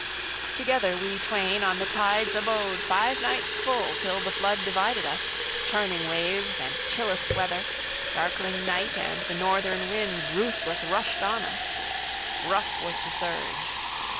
Together we twain on the tides abode five nights full till the flood divided us, churning waves and chillest weather, darkling night, and the northern wind ruthless rushed on us: rough was the surge.